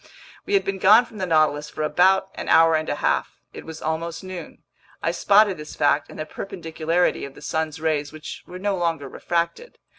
We had been gone from the Nautilus for about an hour and a half. It was almost noon. I spotted this fact in the perpendicularity of the sun's rays, which were no longer refracted.